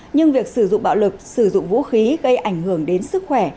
nhưng việc sử dụng bạo lực sử dụng vũ khí gây ảnh hưởng đến sức khỏe